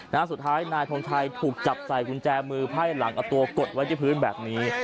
สุดท้ายนายทงชัยถูกจับใส่กุญแจมือไพ่หลังเอาตัวกดไว้ที่พื้นแบบนี้